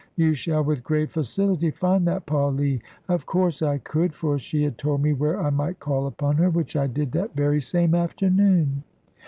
You shall with great facility find that Paullee." Of course I could, for she had told me where I might call upon her, which I did that very same afternoon.